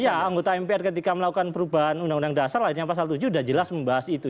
iya anggota mpr ketika melakukan perubahan undang undang dasar lahirnya pasal tujuh sudah jelas membahas itu